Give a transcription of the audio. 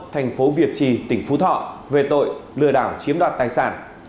thành phố việt trì tỉnh phú thọ về tội lừa đảo chiếm đoạt tài sản